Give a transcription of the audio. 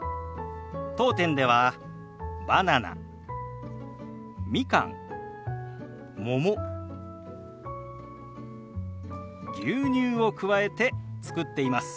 当店ではバナナみかんもも牛乳を加えて作っています。